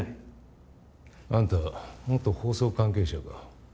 あんた元放送関係者か？